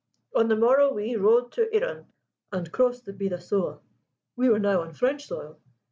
On the morrow we rode to Irun and crossed the Bidassoa. We were now on French soil.